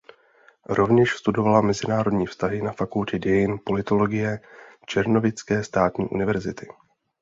Rovněž studovala mezinárodní vztahy na Fakultě dějin politologie Černovické státní univerzity.